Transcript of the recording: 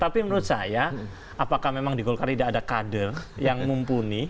tapi menurut saya apakah memang di golkar tidak ada kader yang mumpuni